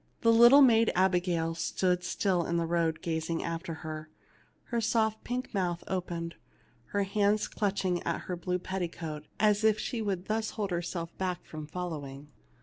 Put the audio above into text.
The little maid Abigail stood still in the road, gazing after her, her soft pink mouth open, her hands clutching at her blue petticoat, as if she would thus hold herself back from following.